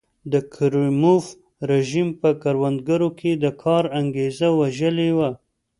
د کریموف رژیم په کروندګرو کې د کار انګېزه وژلې وه.